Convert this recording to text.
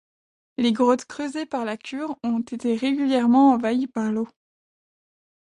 Les grottes creusées par la Cure ont été régulièrement envahies par l'eau.